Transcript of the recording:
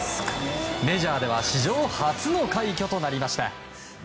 メジャーでは史上初の快挙となりました。